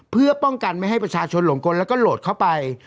เพื่อป้องกันไม่ให้ประชาชนหลงกลแล้วก็โหลดเข้าไป